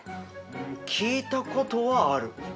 うん聞いたことはある。